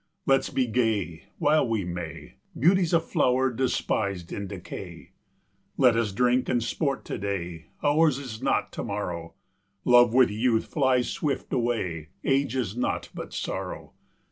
Let's be gay, While we may, Beauty's a flower despis'd in decay. Let us drink and sport to day, Ours is not tomorrow. Love with youth flies swift away, Age is nought but sorrow.